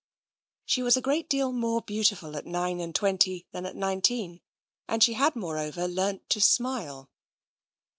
She was a great deal more beautiful at nine and twenty than at nineteen, and she had, moreover, learnt to smile.